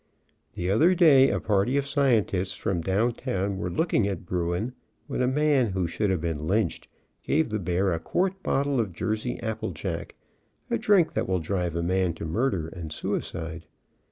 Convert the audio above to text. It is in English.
The other day a party of scientists from downtown were look ing at bruin, when a man who should have been A BEAR WITH A JAG 2O7 lynched gave the bear a quart bottle of Jersey apple jack, a drink that will drive a man to murder and suicide.